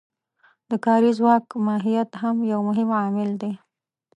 د کاري ځواک ماهیت هم یو مهم عامل دی